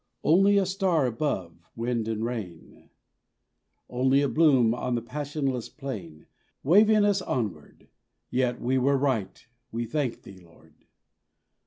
Only a star above wind and rain, Only a bloom on the passionless plain, Waving us onward; yet we were right. We thank Thee, Lord.